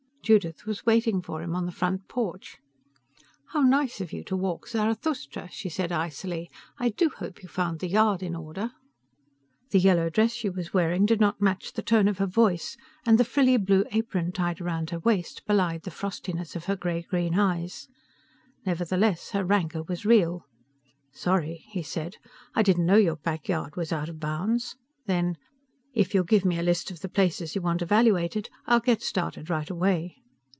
Judith was waiting for him on the front porch. "How nice of you to walk Zarathustra," she said icily. "I do hope you found the yard in order." The yellow dress she was wearing did not match the tone of her voice, and the frilly blue apron tied round her waist belied the frostiness of her gray green eyes. Nevertheless, her rancor was real. "Sorry," he said. "I didn't know your back yard was out of bounds." Then, "If you'll give me a list of the places you want evaluated, I'll get started right away."